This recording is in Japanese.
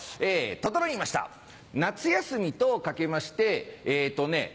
整いました夏休みと掛けましてえっとね